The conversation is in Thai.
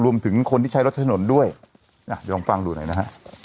รวมถึงคนที่ใช้รถถนนด้วยลองฟังดูหน่อยนะฮะ